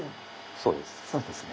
そうですね。